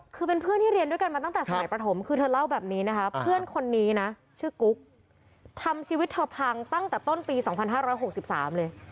คือเป็นเพื่อนที่เรียนด้วยกันมาตั้งแต่สมัยประถมคือเธอเล่าแบบนี้นะคะเพื่อนคนนี้นะชื่อกุ๊กทำชีวิตเธอพังตั้งแต่ต้นปี๒๕๖๓เลย